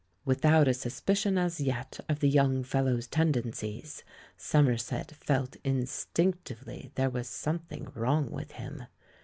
Without a suspicion as yet of the young fellow's tendencies, Somerset felt instinctively there was something wrong with him.